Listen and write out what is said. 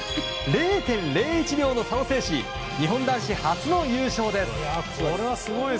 ０．０１秒の差を制し日本男子初の優勝です。